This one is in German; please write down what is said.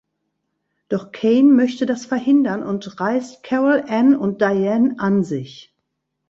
Doch Kane möchte das verhindern und reißt Carol Anne und Diane an sich.